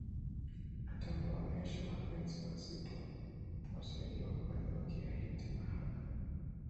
atamuonesha mapenzi mazito waswahili wapwani wakiyahita mahaba